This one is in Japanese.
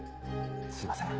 すいません。